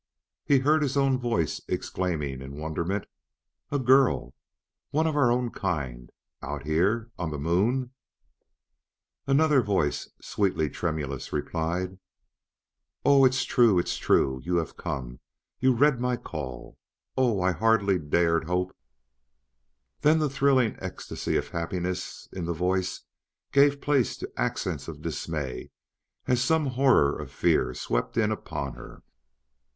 He heard his own voice exclaiming in wonderment: "A girl! One of our own kind! Out here! On the Moon!" And another voice, sweetly tremulous, replied: "Oh, it's true it's true! You have come! You read my call! Oh, I hardly dared hope " Then the thrilling ecstasy of happiness in the voice gave place to accents of dismay as some horror of fear swept in upon her.